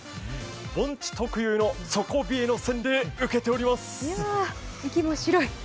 盆地特有の底冷えの洗礼受けております。